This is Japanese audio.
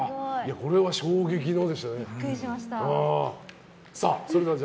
これは衝撃でしたね。